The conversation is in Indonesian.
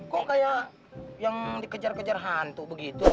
kok kayak yang dikejar kejar hantu begitu